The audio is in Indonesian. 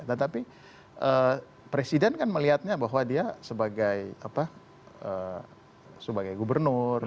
tetapi presiden kan melihatnya bahwa dia sebagai gubernur